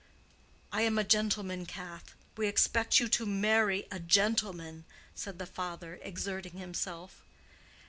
"I am a gentleman, Cath. We expect you to marry a gentleman," said the father, exerting himself.